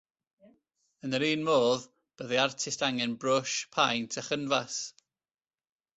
Yn yr un modd, byddai artist angen brwsh, paent a chynfas